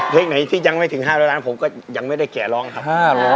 เพลงไหนที่ยังไม่ถึง๕๐๐ล้านผมก็ยังไม่ได้แก่ร้องครับ